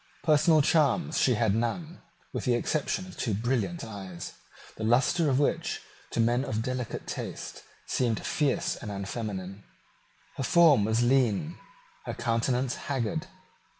Personal charms she had none, with the exception of two brilliant eyes, the lustre of which, to men of delicate taste, seemed fierce and unfeminine. Her form was lean, her countenance haggard.